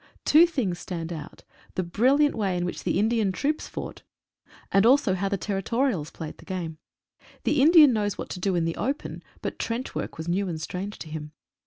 Two tilings stand out — the bril liant way in which the Indian troops fought, and also how the Territorials played the game. The Indian knows what to do in the open, but trench work was new and strange to him.